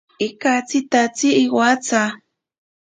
Ikatsitatsi iwatsa.